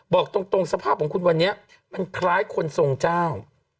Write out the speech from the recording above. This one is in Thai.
บอกตรงสภาพของคุณวันนี้มันคล้ายคนทรงเจ้า